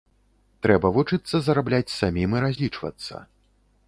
Трэба вучыцца зарабляць самім і разлічвацца.